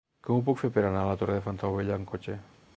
Com ho puc fer per anar a la Torre de Fontaubella amb cotxe?